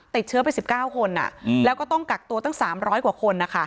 ติดเชื้อไป๑๙คนแล้วก็ต้องกักตัวตั้ง๓๐๐กว่าคน